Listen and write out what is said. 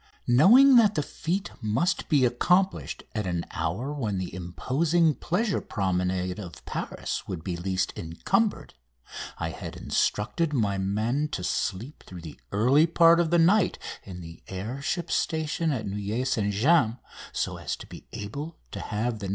Knowing that the feat must be accomplished at an hour when the imposing pleasure promenade of Paris would be least encumbered, I had instructed my men to sleep through the early part of the night in the air ship station at Neuilly St James so as to be able to have the "No.